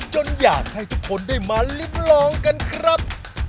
อยากให้ทุกคนได้มาลิ้มลองกันครับ